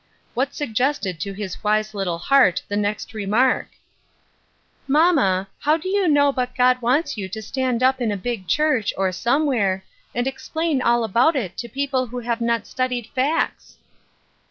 What sug gested to his wise little heart the next remark? —" NEXT MOST. 297 "Mamma, hew do you know but God wants you to stand up in a big church, or somewhere, and explain all about it to people who have not studied facts